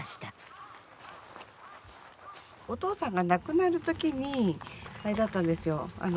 お父さんが亡くなるときにあれだったんですよ